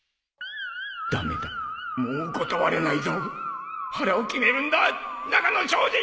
駄目だもう断れないぞ腹を決めるんだ中野小心！